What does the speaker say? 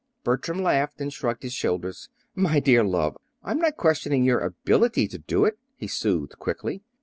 Bertram laughed and shrugged his shoulders. "My dear love, I'm not questioning your ability to do it," he soothed quickly.